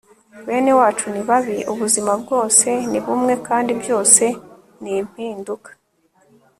bene wacu ni babi ubuzima bwose ni bumwe kandi byose ni impinduka